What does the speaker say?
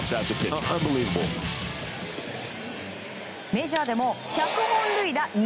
メジャーでも１００本塁打２５０